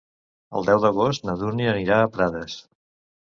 El deu d'agost na Dúnia anirà a Prades.